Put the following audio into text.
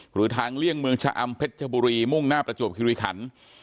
หรือทางเลี่ยงเมืองชะอำเพชรชบุรีมุ่งหน้าประจวบคิริขัน